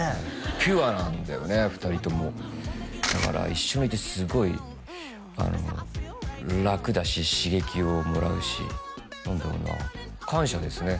ピュアなんだよね２人ともだから一緒にいてすごい楽だし刺激をもらうし何だろうな感謝ですね